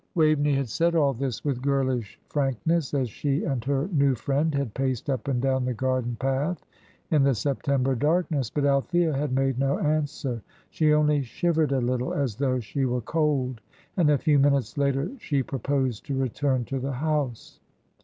Waveney had said all this with girlish frankness, as she and her new friend had paced up and down the garden path in the September darkness; but Althea had made no answer. She only shivered a little, as though she were cold; and a few minutes later she proposed to return to the house.